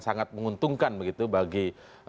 sangat menguntungkan begitu bagi